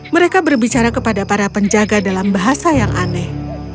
mereka berbicara kepada para penjaga dalam bahasa yang aneh